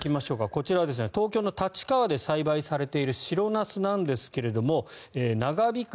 こちらは東京の立川で栽培されている白ナスなんですが長引く